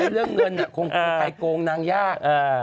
เรื่องเงินคงใครโกงนางยาก